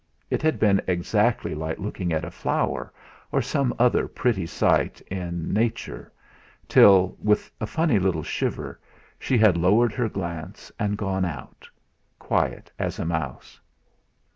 It had been exactly like looking at a flower, or some other pretty sight in Nature till, with a funny little shiver, she had lowered her glance and gone out, quiet as a mouse.